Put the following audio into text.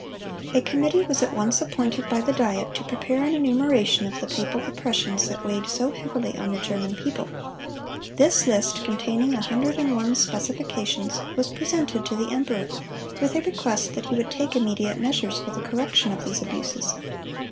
A committee was at once appointed by the Diet to prepare an enumeration of the papal oppressions that weighed so heavily on the German people. This list, containing a hundred and one specifications, was presented to the emperor, with a request that he would take immediate measures for the correction of these abuses.